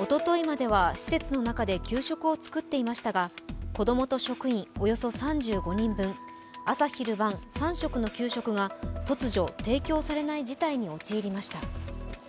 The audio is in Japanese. おとといまでは、施設の中で給食を作っていましたが子供と職員およそ３５人分、朝昼晩３食の給食が突如、提供されない事態に陥りました。